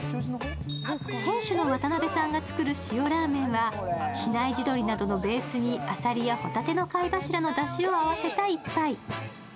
店主の渡邉さんが作る塩ラーメンは、比内地鶏などのベースにあさりやほたての貝柱のだしを合わせた一杯。